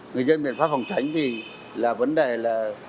người dân biện pháp phòng tránh thì là vấn đề là